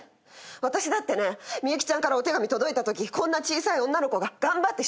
私だってね幸ちゃんからお手紙届いたときこんな小さい女の子が頑張って手術受けるんだ。